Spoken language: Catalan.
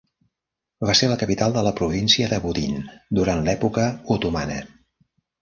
Va ser la capital de la província de Budin durant l'època otomana.